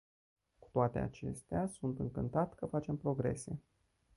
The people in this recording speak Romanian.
Cu toate acestea, sunt încântat că facem progrese.